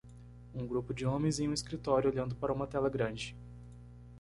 Um grupo de homens em um escritório olhando para uma tela grande.